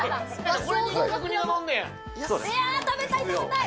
食べたい食べたい！